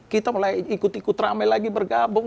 kita mulai ikut ikut rame lagi bergabung